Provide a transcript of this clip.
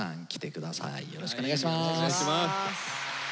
よろしくお願いします。